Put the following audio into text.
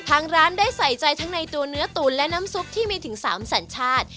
ทางร้านได้ใส่ใจทั้งในตัวเนื้อตุ๋นและน้ำซุปที่มีถึง๓สัญชาติ